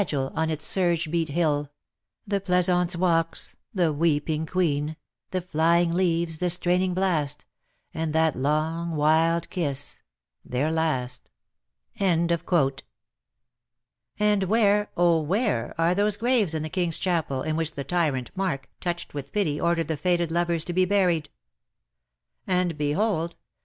Tyntagel, on its surge beat hill, The pleasaunce walks, the weeping queen, The flying leaves, the straining blast, And that long wild kiss — their last.' And where — oh, where — are those graves in the King^s chapel in which the tyrant Marc_, touched with pity_, ordered the fated lovers to be buried ? And_, behold